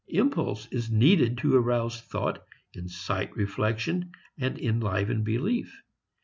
Impulse is needed to arouse thought, incite reflection and enliven belief.